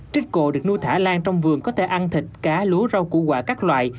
trích cổ được nuôi thả lan trong vườn có thể ăn thịt cá lúa rau củ quả các loại